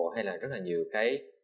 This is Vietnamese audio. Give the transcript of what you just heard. hay là rất là nhiều cái